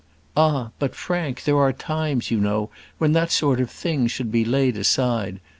"Ah! but Frank, there are times, you know, when that sort of thing should be laid aside.